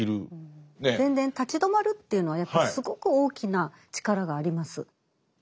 立ち止まるというのはやっぱすごく大きな力があります。